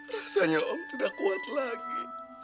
rasanya om tidak kuat lagi